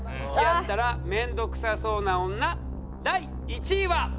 付き合ったら面倒くさそうな女第１位は。